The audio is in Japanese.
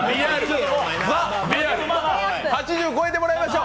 ８０超えてもらいましょう。